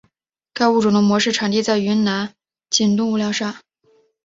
该物种的模式产地在云南景东无量山。